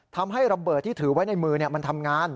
ทำให้ระเบิดที่ถือไว้ในมือมันทำงาน